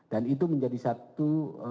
dan itu menjadi satu